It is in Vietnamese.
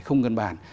không gần bàn